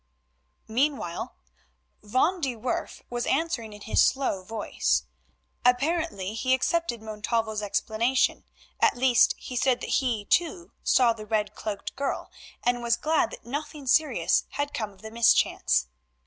Meanwhile Van de Werff was answering in his slow voice. Apparently he accepted Montalvo's explanation; at least he said that he, too, saw the red cloaked girl, and was glad that nothing serious had come of the mischance.